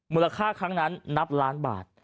มูลค่าครั้งนั้นนับล้านบาท